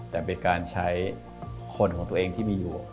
แต่เป็นการใช้คนของตัวเองที่มีอยู่